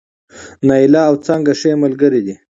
نايله او څانګه ښې ملګرې دي